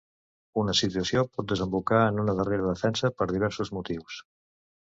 Una situació pot desembocar en una darrera defensa per diversos motius.